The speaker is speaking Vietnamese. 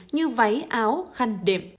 như váy áo khăn đệm